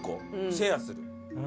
シェアする。